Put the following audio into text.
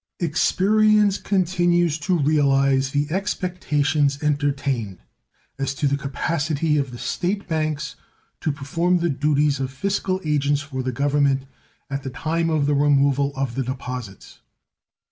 Experience continues to realize the expectations entertained as to the capacity of the State banks to perform the duties of fiscal agents for the Government at the time of the removal of the deposits.